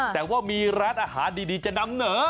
แต่ว่ามีร้านอาหารดีจะนำเหนอ